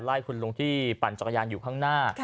ไล่คุณลุงที่ปั่นจักรยานอยู่ข้างหน้า